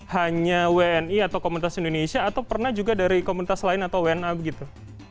hanya wni atau komunitas indonesia atau pernah juga dari komunitas lain atau wna begitu